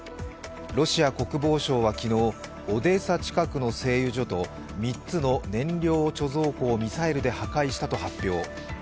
ロシア国防省は昨日オデーサ近くの製油所と３つの燃料貯蔵庫をミサイルで破壊したと発表。